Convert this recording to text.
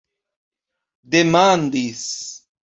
demandis